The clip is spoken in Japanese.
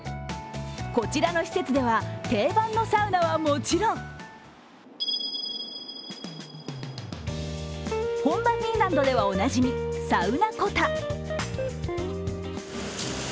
こちらの施設では定番のサウナはもちろん本場フィンランドではおなじみ、サウナコタ。